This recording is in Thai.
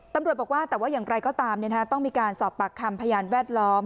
ตำรวจบอกว่าแต่ว่าอย่างไรก็ตามต้องมีการสอบปากคำพยานแวดล้อม